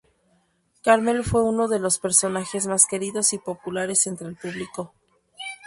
Carmel fue uno de los personajes más queridos y populares entre el público.